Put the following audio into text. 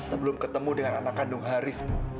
sebelum ketemu dengan anak kandung haris bu